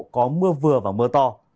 có mưa vừa và mưa to